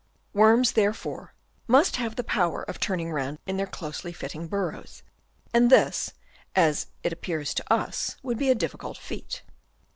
Worms there fore must have the power of turning round in their closely fitting burrows ; and this, as it appears to us, would be a difficult feat.